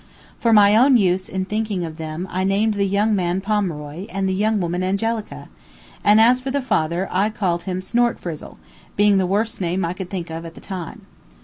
For my own use in thinking of them I named the young man Pomeroy and the young woman Angelica, and as for the father, I called him Snortfrizzle, being the worst name I could think of at the time.